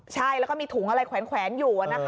ใช่แล้วก็มีถุงอะไรแขวนอยู่